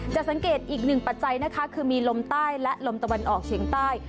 จะสังเกตอีกหนึ่งปัจจัยนะคะคือมีลมใต้และลมตะวันออกเฉียงใต้